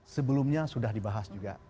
sebelumnya sudah dibahas juga